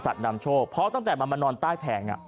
สัตว์ดำโชคพอตั้งแต่มาประมาณนอนใต้แผง